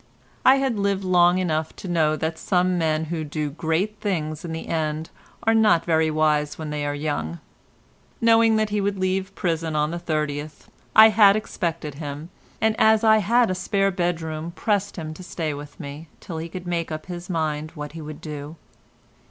I had lived long enough to know that some men who do great things in the end are not very wise when they are young; knowing that he would leave prison on the 30th, I had expected him, and, as I had a spare bedroom, pressed him to stay with me, till he could make up his mind what he would do.